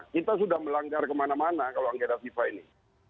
kita sudah melanggar kemana mana kalau agenda fifa ini